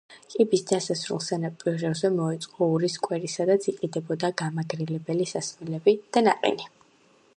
კიბის დასასრულს სანაპიროზე მოეწყო ორი სკვერი, სადაც იყიდებოდა გამაგრილებელი სასმელები და ნაყინი.